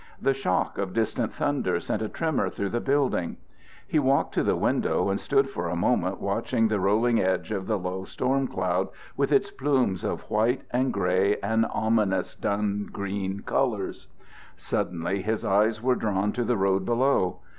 The shock of distant thunder sent a tremor through the building. He walked to the window and stood for a moment watching the rolling edge of the low storm cloud with its plumes of white and gray and ominous dun green colors. Suddenly his eyes were drawn to the road below.